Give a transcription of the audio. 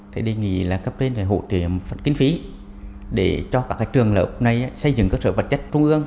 thầy đề nghị các bên hỗ trợ một phần kiến phí để cho các trường lợi hợp này xây dựng cơ sở vật chất trung ương